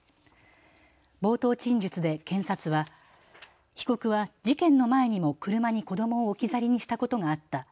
冒頭陳述で検察は被告は事件の前にも車に子どもを置き去りにしたことがあった。